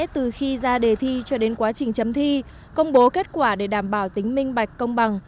từ khi ra đề thi cho đến quá trình chấm thi công bố kết quả để đảm bảo tính minh bạch công bằng